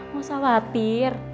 gak usah khawatir